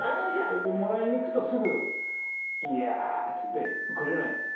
それでもらいに行くとすぐ「いやあ」っつってくれないんですよ。